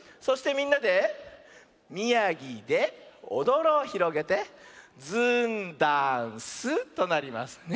そしてみんなで「みやぎでおどろ」ひろげて「ずんだんす！」となります。